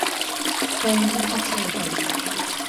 So'nggi kecha edi.